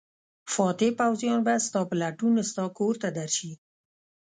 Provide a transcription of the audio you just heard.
فاتح پوځیان به ستا په لټون ستا کور ته درشي.